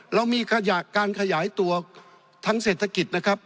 เรามีการขยายตัวทางเศรษฐกิจนะครับ